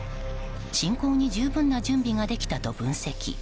侵攻に十分な準備ができたと分析。